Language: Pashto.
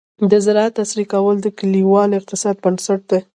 د زراعت عصري کول د کليوال اقتصاد بنسټ دی.